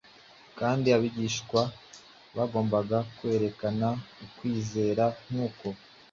kandi abigishwa bagombaga kwerekana ukwizera nk’uko.